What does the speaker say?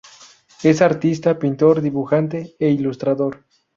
Es artista, pintor, dibujante e ilustrador.